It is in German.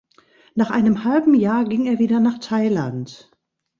Nach einem halben Jahr ging er wieder nach Thailand.